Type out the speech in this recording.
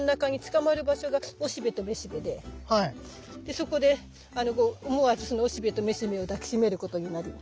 そこで思わずそのおしべとめしべを抱きしめることになるの。